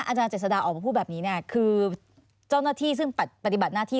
อาจารเจษฎาออกมาพูดแบบนี้เนี่ยคือเจ้าหน้าที่ซึ่งปฏิบัติหน้าที่